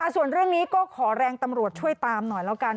ส่วนเรื่องนี้ก็ขอแรงตำรวจช่วยตามหน่อยแล้วกัน